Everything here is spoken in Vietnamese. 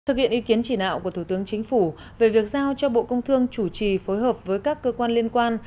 thực hiện ý kiến chỉ đạo của thủ tướng chính phủ về việc giao cho bộ công thương chủ trì phối hợp với các cơ quan liên quan